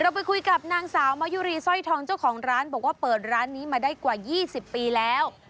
ไปคุยกับนางสาวมายุรีสร้อยทองเจ้าของร้านบอกว่าเปิดร้านนี้มาได้กว่า๒๐ปีแล้ว